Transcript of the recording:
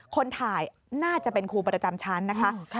คนถ่ายน่าจะเป็นครูประจำชั้นนะคะ